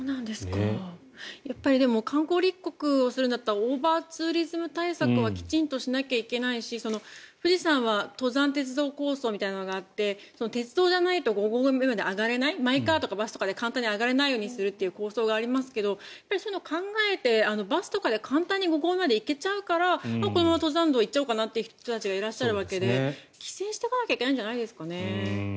やっぱり観光立国をするんだったらオーバーツーリズム対策はきちんとしないといけないし富士山は登山鉄道構想みたいなのがあって鉄道じゃないと五合目まで上がれないマイカーとかバスとかで簡単に上がれないようにするという構想がありますがそういうのを考えるとバスとかで簡単に五合目まで行けちゃうからこのまま登山道に行っちゃおうかなという人がいらっしゃるわけで規制しておかないといけないんじゃないですかね。